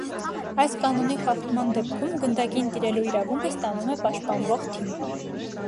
Այս կանոնի խախտման դեպքում գնդակին տիրելու իրավունքը ստանում է պաշտպանվող թիմը։